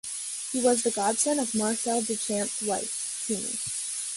He was the godson of Marcel Duchamp's wife, Teeny.